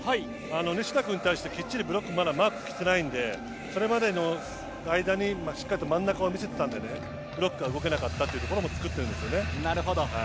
西田君に対してきっちりブロックがマークに来ていないのでそれまでの間にしっかり真ん中を見せていたのでブロックが動けなかったというところを作っていたんですね。